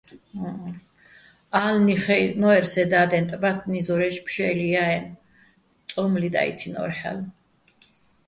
ა́ლნი ხაჲჸნო́ერ სე და́დენ, ტბათნი ზორაჲში̆ ფშე́ლუჲ ჲა -აჲნო̆, წო́მლი დაჸითინო́რ ჰ̦ალო̆.